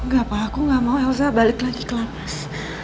gak pa aku gak mau elsa balik lagi kelapas